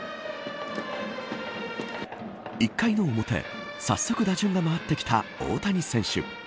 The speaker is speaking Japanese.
１回の表早速打順が回ってきた大谷選手。